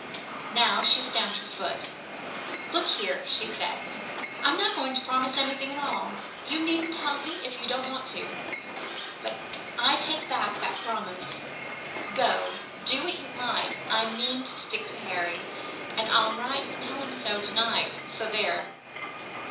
Now she stamped her foot. "Look here," she said, "I'm not going to promise anything at all. You needn't help me if you don't want to but I take back that promise. Go! do what you like! I mean to stick to Harry and I'll write and tell him so to night. So there!"